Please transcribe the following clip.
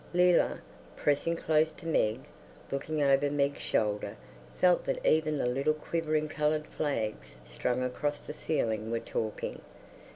Leila, pressing close to Meg, looking over Meg's shoulder, felt that even the little quivering coloured flags strung across the ceiling were talking.